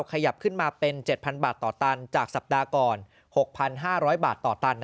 ขยับขึ้นมาเป็น๗๐๐บาทต่อตันจากสัปดาห์ก่อน๖๕๐๐บาทต่อตัน